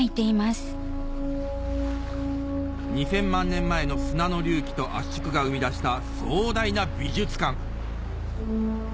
２０００万年前の砂の隆起と圧縮が生み出した壮大な美術館